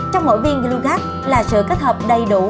trong mỗi viên glogab là sự kết hợp đầy đủ